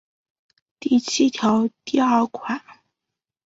第七条第二款